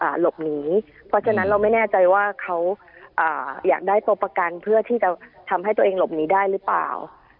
เพราะฉะนั้นเราไม่แน่ใจว่าเขาอยากได้ตัวประกันเพื่อที่จะทำให้ตัวเองหลบหนีได้หรือเปล่า